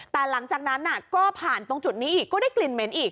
แต่หลังจากนั้นก็ผ่านตรงจุดนี้อีกก็ได้กลิ่นเหม็นอีก